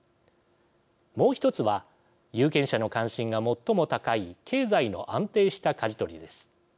もう１つは有権者の関心が最も高い経済の安定した、かじ取りです。